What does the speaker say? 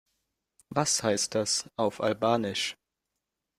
Was heißt das auf Albanisch?